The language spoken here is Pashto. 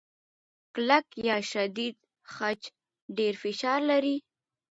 کلک یا شدید خج ډېر فشار لري.